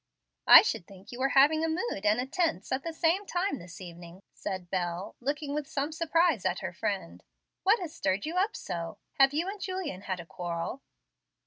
"I should think you were having a mood and a tense at the same time this evening," said Bel, looking with some surprise at her friend. "What has stirred you up so? Have you and Julian had a quarrel?"